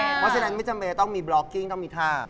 เพราะฉะนั้นไม่จำเป็นจะต้องมีบล็อกกิ้งต้องมีท่า